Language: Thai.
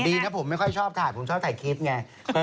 ดีนะผมไม่ค่อยชอบถ่ายผมชอบถ่ายคลิปไง